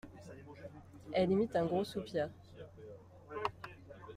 Elle imite un gros soupir.